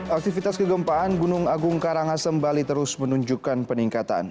aktivitas kegempaan gunung agung karangasem bali terus menunjukkan peningkatan